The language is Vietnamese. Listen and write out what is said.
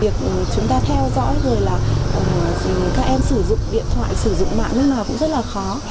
việc chúng ta theo dõi rồi là các em sử dụng điện thoại sử dụng mạng như nào cũng rất là khó